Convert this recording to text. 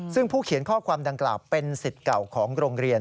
ซึ่งผู้เขียนข้อความดังกล่าวเป็นสิทธิ์เก่าของโรงเรียน